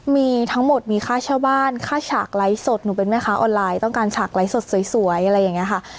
มีทั้งหมดมีค่าเช่าบ้านค่าฉากไลฟ์สดหนูเป็นแม่ค้าออนไลน์ต้องการฉากไลฟ์สดสวยอะไรอย่างนี้ค่ะ